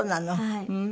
はい。